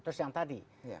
terus yang tadi